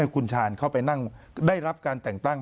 เข้าไปนั่งได้รับการแต่งตั้ง